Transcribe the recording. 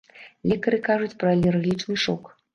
Лекары кажуць пра алергічны шок.